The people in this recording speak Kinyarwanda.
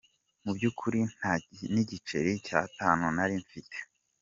Mu by’ukuri nta n’igiceri cy’atanu nari mfite.